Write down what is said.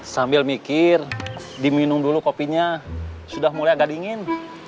sambil mikir diminum dulu kopinya sudah mulai agak dingin